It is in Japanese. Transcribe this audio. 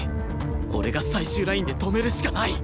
俺が最終ラインで止めるしかない！